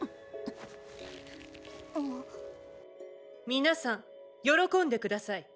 皆さん喜んで下さい。